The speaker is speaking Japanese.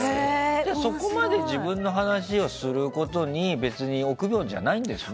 じゃあ、そこまで自分の話をすることに別に憶病じゃないんですね。